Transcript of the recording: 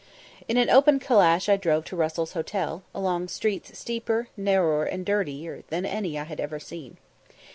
In an open calash I drove to Russell's Hotel, along streets steeper, narrower, and dirtier than any I had ever seen.